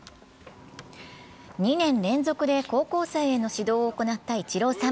２年連続で高校生への指導を行ったイチローさん。